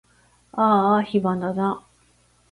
あーあ暇だな